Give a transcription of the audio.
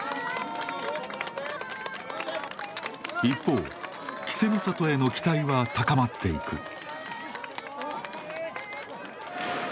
一方稀勢の里への期待は高まっていく。